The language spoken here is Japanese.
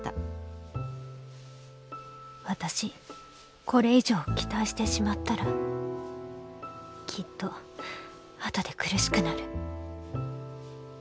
「私、これ以上期待してしまったらきっと後で苦しくなる」。